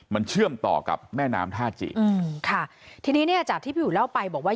มันเชื่อมต่อกับแม่น้ำท่าจีอืมค่ะทีนี้เนี่ยจากที่พี่อุ๋ยเล่าไปบอกว่า